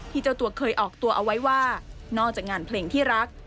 เจ้าตัวเคยออกตัวเอาไว้ว่านอกจากงานเพลงที่รัก